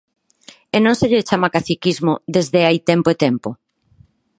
¿E non se lle chama caciquismo desde hai tempo e tempo?